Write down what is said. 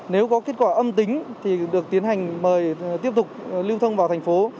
nếu có kết quả âm tính thì được tiến hành mời tiếp tục lưu thông vào thành phố